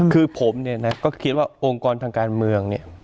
คือผมเนี่ยนะก็คิดว่าองค์กรทางการเมืองเนี่ย